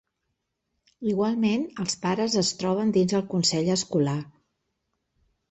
Igualment, els pares es troben dins el Consell escolar.